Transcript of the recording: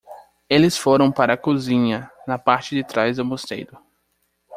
Eles foram para a cozinha na parte de trás do mosteiro.